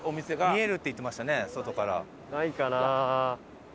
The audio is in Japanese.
見えるって言ってましたね外から。